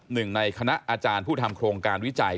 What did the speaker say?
หนึ่งในคณะอาจารย์ผู้ทำโครงการวิจัย